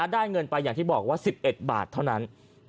ได้เงินไปอย่างที่บอกว่า๑๑บาทเท่านั้น